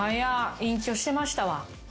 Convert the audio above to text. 隠居してましたわ。